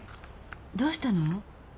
どうしたの？